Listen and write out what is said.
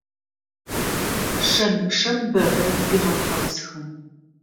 Шэнычъэм бэрэ уигъэтхьаусхэн.